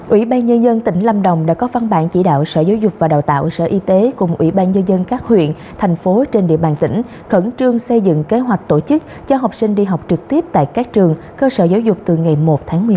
ubnd tỉnh lâm đồng đã có phân bản chỉ đạo sở giáo dục và đào tạo sở y tế cùng ubnd các huyện thành phố trên địa bàn tỉnh khẩn trương xây dựng kế hoạch tổ chức cho học sinh đi học trực tiếp tại các trường cơ sở giáo dục từ ngày một tháng một mươi một